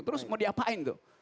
terus mau diapain tuh